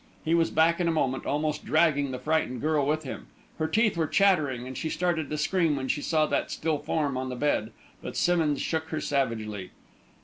He was back in a moment, almost dragging the frightened girl with him. Her teeth were chattering and she started to scream when she saw that still form on the bed, but Simmonds shook her savagely.